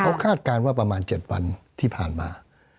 เขาคาดการณ์ว่าประมาณ๗วันที่ผ่านมา